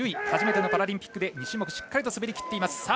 初めてのパラリンピックで２種目、しっかり滑りきっています。